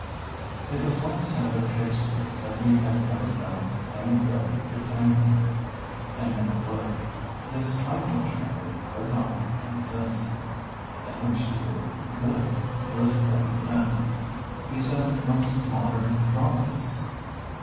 It was once said of Shakespeare that he had never done any good to any one, and never would. This, unfortunately, could not, in the sense in which the word "good" was then meant, be said of most modern dramatists.